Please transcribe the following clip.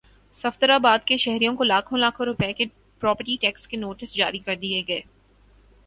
صفدرآباد کے شہریوں کو لاکھوں لاکھوں روپے کے پراپرٹی ٹیکس کے نوٹس جاری کردیئے گئے